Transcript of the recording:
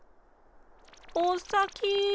おっさき。